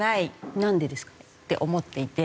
なんでですか？って思っていて。